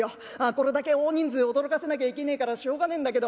これだけ大人数驚かせなきゃいけねえからしょうがねえんだけど。